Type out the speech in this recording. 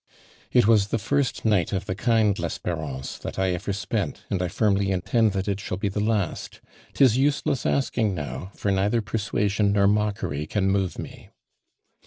'' It was the first night of the kind, Les perance, that I ever spent, and I firmly in tend that it shall be the last. 'Tis useless anking, now, for neither persuasion nor mockery can move me."